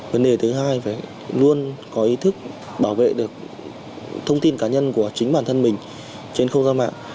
vấn đề thứ hai phải luôn có ý thức bảo vệ được thông tin cá nhân của chính bản thân mình trên không gian mạng